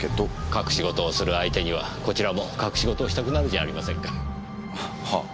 隠し事をする相手にはこちらも隠し事をしたくなるじゃありませんか。はあ。